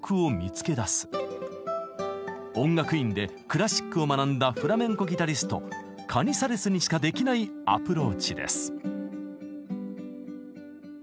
音楽院でクラシックを学んだフラメンコギタリストカニサレスにしかできないアプローチです。